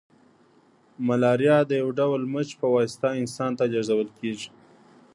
ملاریا د یو ډول مچ په واسطه انسان ته لیږدول کیږي